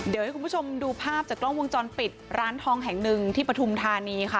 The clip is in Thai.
เดี๋ยวให้คุณผู้ชมดูภาพจากกล้องวงจรปิดร้านทองแห่งหนึ่งที่ปฐุมธานีค่ะ